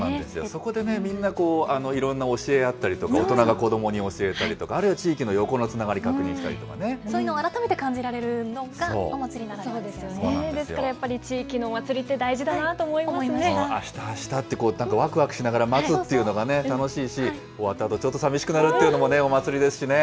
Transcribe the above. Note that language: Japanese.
そこでね、みんな、いろんな教え合ったりとか、大人が子どもに教えたりとか、あるいは地域の横のつながり確認そういうのを改めて感じられですからやっぱり地域のお祭あした、あしたって、なんかわくわくしながら、待つっていうのがね、楽しいし、終わったあと、ちょっとさみしくなるというのもお祭りですしね。